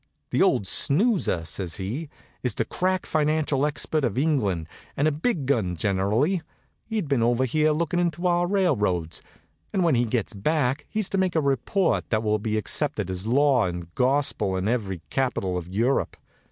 "The old snoozer," says he, "is the crack financial expert of England, and a big gun generally. He'd been over here looking into our railroads, and when he gets back he's to make a report that will be accepted as law and gospel in every capital of Europe.